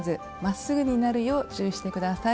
まっすぐになるよう注意して下さい。